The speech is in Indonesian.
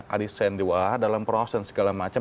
ada yang di doa dalam proses segala macam